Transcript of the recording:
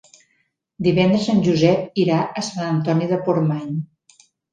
Divendres en Josep irà a Sant Antoni de Portmany.